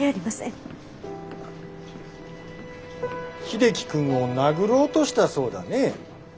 英樹君を殴ろうとしたそうだね。